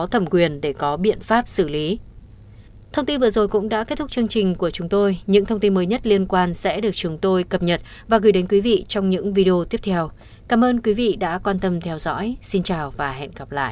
hãy đăng ký kênh để ủng hộ kênh của chúng mình nhé